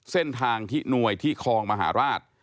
เส้นทางที่หน่วยที่คลองมหาราช